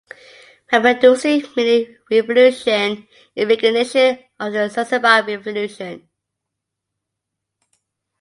Mapinduzi meaning Revolution in recognition of the Zanzibar Revolution.